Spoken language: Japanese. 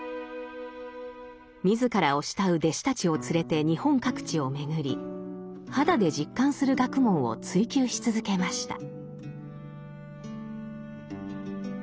自らを慕う弟子たちを連れて日本各地を巡り肌で実感する学問を追究し続けました。